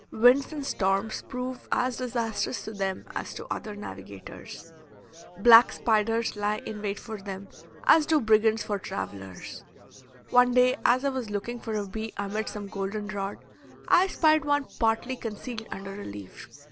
Winds and storms prove as disastrous to them as to other navigators. Black spiders lie in wait for them as do brigands for travelers. One day as I was looking for a bee amid some golden rod, I spied one partly concealed under a leaf.